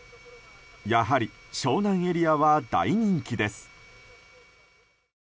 やはり湘南エリアは大人気です。